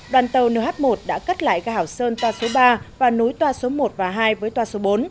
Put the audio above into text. đoàn tàu nh một đã cắt lại gà hảo sơn tòa số ba và núi tòa số một và hai với tòa số bốn